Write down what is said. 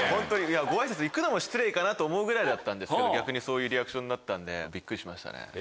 ご挨拶行くのも失礼かなと思うぐらいだったんですけど逆にそういうリアクションだったんでびっくりしましたね。